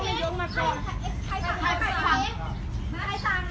เขาไปราชนาเดี๋ยวเขากลับมาให้เขาไปขอเข้ามาได้ไหม